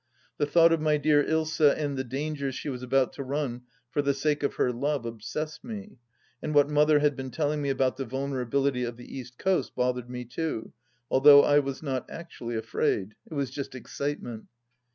The thought of my dear Ilsa and the dan gers she was about to run for the sake of her love obsessed me, and what Mother had been telling me about the vulnera bility of the East Coast bothered me too, although I was not actually afraid. ... It was just excitement.